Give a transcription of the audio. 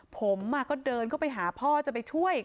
ผมก็เดินเข้าไปหาพ่อจะไปช่วย